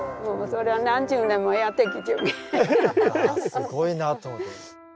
すごいなと思って。